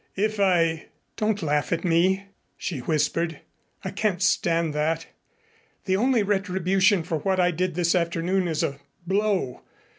If I " "Don't laugh at me," she whispered. "I can't stand that. The only retribution for what I did this afternoon is a blow.